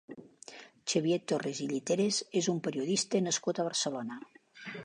Xavier Torres i Lliteras és un periodista nascut a Barcelona.